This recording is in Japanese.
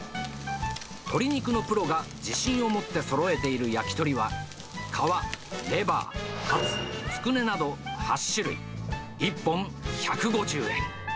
鶏肉のプロが自信をもってそろえている焼き鳥は、皮、レバー、ハツ、つくねなど８種類、１本１５０円。